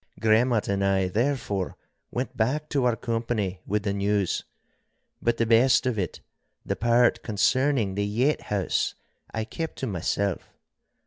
Gremmat and I therefore went back to our company with the news, but the best of it—the part concerning the yett house—I kept to myself.